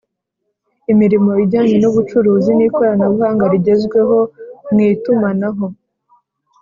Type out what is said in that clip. imirimo ijyanye n'ubucuruzi n'ikoranabuhanga rigezweho mu itumanaho